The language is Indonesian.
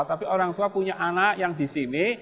tapi orang tua punya anak yang di sini